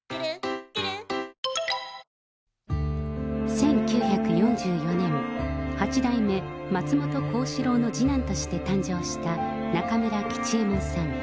１９４４年、八代目松本幸四郎の次男として誕生した中村吉右衛門さん。